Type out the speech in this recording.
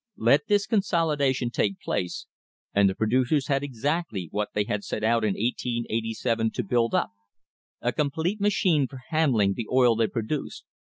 Let this consolidation take place, and the producers had exactly what they had set out in 1887 to build up a complete machine for handling the oil they produced.